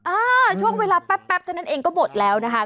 ช่วงเวลาแป๊บเท่านั้นเองก็หมดแล้วนะคะ